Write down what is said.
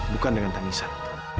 bukan dengan tamisan